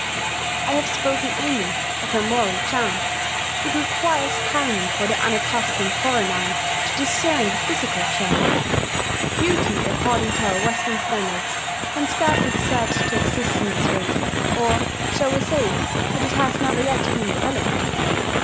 I have spoken only of her moral charm: it requires time for the unaccustomed foreign eye to discern the physical charm. Beauty, according to our Western standards, can scarcely be said to exist in this race, or, shall we say that it has never yet been developed?